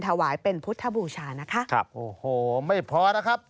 ถวายเป็นพุทธบูชานะคะครับโอ้โหไม่พอนะครับ